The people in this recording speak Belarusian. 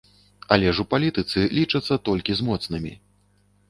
Але ж у палітыцы лічацца толькі з моцнымі.